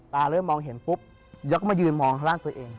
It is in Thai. ตาเริ่มมองเห็นปุ๊บยักษ์มายืนมองร่างตัวเอง